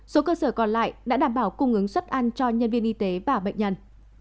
số cơ sở còn lại đã đảm bảo cung ứng suất ăn cho nhân viên y tế và bệnh nhân